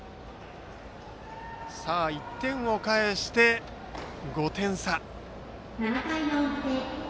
１点を返して５点差。